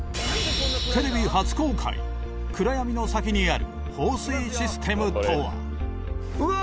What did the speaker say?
テレビ初公開暗闇の先にある放水システムとはうわー！